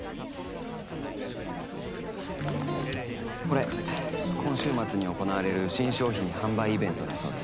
これ今週末に行なわれる新商品販売イベントだそうです。